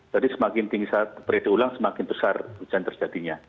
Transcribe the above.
jadi semakin tinggi perede ulang semakin besar hujan terjadinya